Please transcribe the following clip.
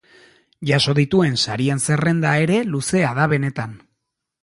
Jaso dituen sarien zerrenda ere luzea da benetan.